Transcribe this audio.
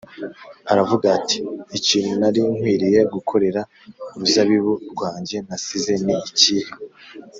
aravuga ati: ‘ikintu nari nkwiriye gukorera uruzabibu rwanjye nasize ni ikihe?’